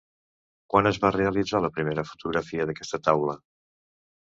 Quan es va realitzar la primera fotografia d'aquesta taula?